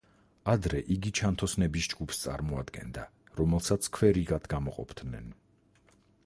ადრე იგი ჩანთოსნების ჯგუფს წარმოადგენდა, რომელსაც ქვერიგად გამოყოფდნენ.